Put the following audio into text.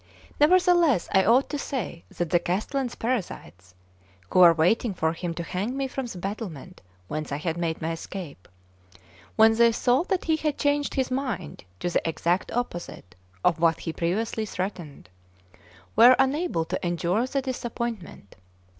Nevertheless, I ought to say that the castellan's parasites, who were waiting for him to hang me from the battlement whence I had made my escape, when they saw that he had changed his mind to the exact opposite of what he previously threatened, were unable to endure the disappointment.